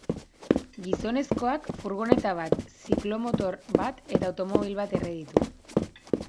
Gizonezkoak furgoneta bat, ziklomotor bat eta automobil bat erre ditu.